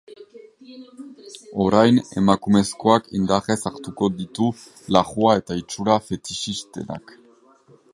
Orain, emakumezkoak indarrez hartuko ditu larrua eta itxura fetixistenak.